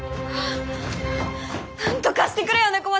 なんとかしてくれよ猫又！